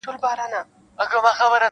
نه به زه یم نه به ته نه دا وطن وي-